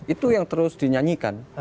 itu yang terus dinyanyikan